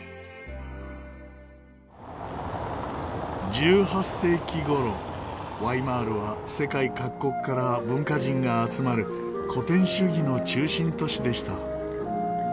１８世紀頃ワイマールは世界各国から文化人が集まる古典主義の中心都市でした。